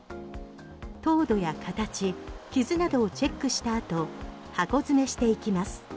糖度や形、傷などをチェックした後箱詰めしていきます。